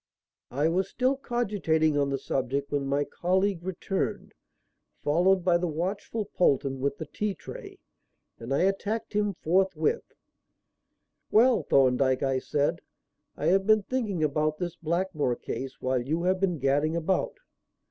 I was still cogitating on the subject when my colleague returned, followed by the watchful Polton with the tea tray, and I attacked him forthwith. "Well, Thorndyke," I said, "I have been thinking about this Blackmore case while you have been gadding about."